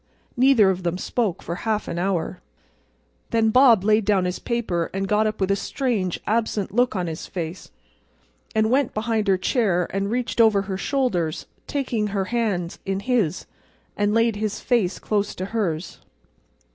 Neither of them spoke for half an hour. And then Bob laid down his paper and got up with a strange, absent look on his face and went behind her chair and reached over her shoulders, taking her hands in his, and laid his face close to hers.